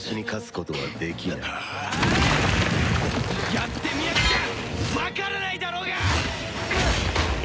やってみなくちゃわからないだろうが！